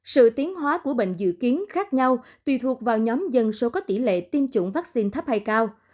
sự tiến hóa của bệnh dự kiến khác nhau tùy thuộc vào nhóm dân số có tỷ lệ tiêm chủng vaccine thấp hay cao